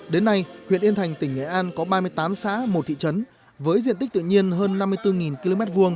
đến nay huyện yên thành tỉnh nghệ an có ba mươi tám xã một thị trấn với diện tích tự nhiên hơn năm mươi bốn km hai